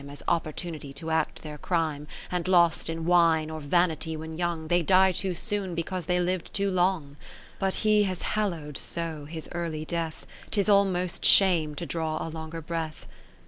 As opportunity to act their crime, 60 And lost in wine or vanity when young, They die too soon, because they liv'd too long : But he has hallowed so his early death, 'Tis almost shame to draw a longer breath.